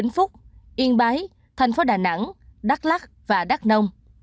vĩnh phúc yên bái thành phố đà nẵng đắk lắc và đắk nông